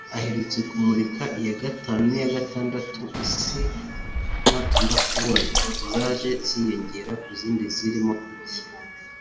Aherutse kumurika iya gatanu n’iya gatandatu [Isi na Ndakubona ] zaje yiyongera ku zindi zirimo Kuki